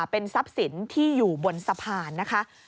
เป็นทรัพย์สินที่อยู่บนสะพานนะคะ